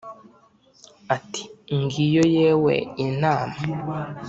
ati: "Ngiyo yewe inama!"